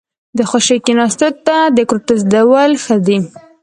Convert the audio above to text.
ـ د خوشې کېناستو نه د کرتو زدولو ښه دي.